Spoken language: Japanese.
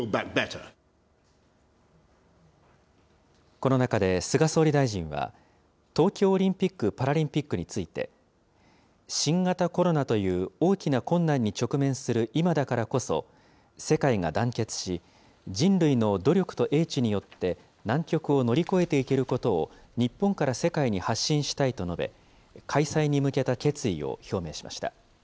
この中で菅総理大臣は、東京オリンピック・パラリンピックについて、新型コロナという大きな困難に直面する今だからこそ、世界が団結し、人類の努力と英知によって、難局を乗り越えていけることを、日本から世界に発信したいと述べ、開催に向けた決意を表明しました。